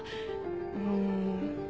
⁉うん。